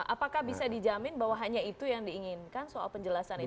apakah bisa dijamin bahwa hanya itu yang diinginkan soal penjelasan itu